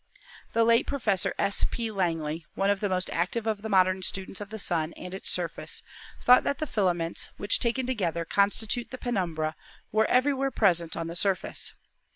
The late Prof. S. P. Langley, one of the most active of the modern students of the Sun and its surface, thought that the filaments which, taken together, constitute the penumbra, were everywhere present on the surface.